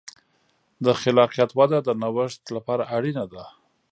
د خلاقیت وده د نوښت لپاره اړینه ده.